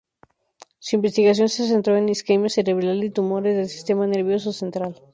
Su investigación se centró en isquemia cerebral y tumores del sistema nervioso central.